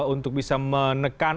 untuk bisa menekan